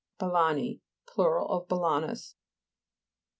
BALA'NI Plur. of balanus.